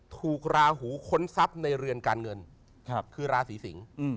ราหูค้นทรัพย์ในเรือนการเงินคือราศีสิง